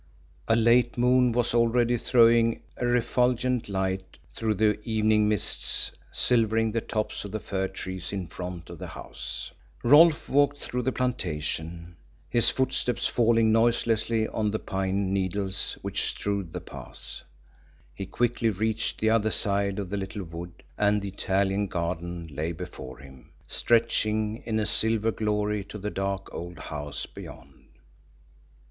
A late moon was already throwing a refulgent light through the evening mists, silvering the tops of the fir trees in front of the house. Rolfe walked through the plantation, his footsteps falling noiselessly on the pine needles which strewed the path. He quickly reached the other side of the little wood, and the Italian garden lay before him, stretching in silver glory to the dark old house beyond.